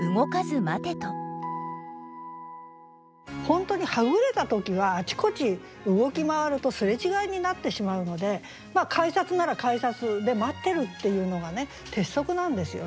本当にはぐれた時はあちこち動き回るとすれ違いになってしまうので改札なら改札で待ってるっていうのが鉄則なんですよね。